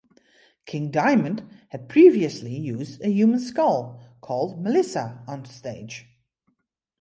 King Diamond had previously used a human skull, called Melissa, on stage.